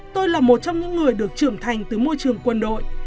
tôi là một trong những người được trưởng thành từ môi trường quân đội